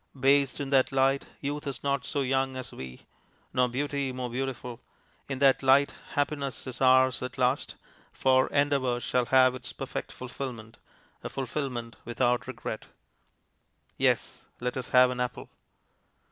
Bathed in that light, Youth is not so young as we, nor Beauty more beautiful; in that light Happiness is ours at last, for Endeavour shall have its perfect fulfilment, a fulfilment without regret.... Yes, let us have an apple.